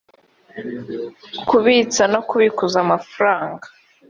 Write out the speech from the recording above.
b kubitsa no kubikuza amafaranga